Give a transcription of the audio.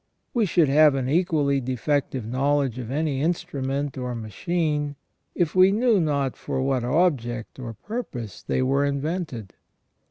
We should have an equally defective knowledge of any instrument or machine, if we knew not for what object or purpose they were invented.